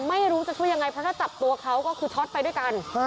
ไม่รู้จะช่วยยังไงเพราะถ้าจับตัวเขาก็คือช็อตไปด้วยกัน